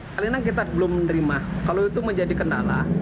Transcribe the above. salinan kita belum menerima kalau itu menjadi kendala